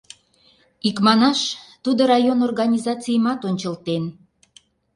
Икманаш, тудо район организацийымат ончылтен.